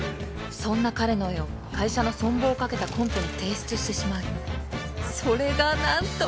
そんな彼の絵を会社の存亡をかけたコンペに提出してしまいそれがなんと